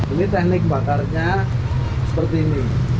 ini teknik bakarnya seperti ini